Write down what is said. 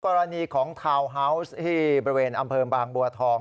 กรณีของทาวน์ฮาวส์ที่บริเวณอำเภอบางบัวทอง